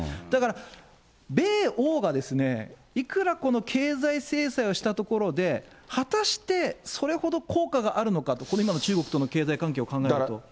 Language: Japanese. だから米欧がいくらこの経済制裁をしたところで、果たしてそれほど効果があるのかと、これ、今の中国との経済関係を考えると。